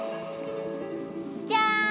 じゃん！